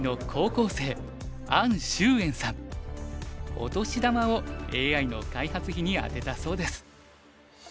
お年玉をＡＩの開発費にあてたそうです。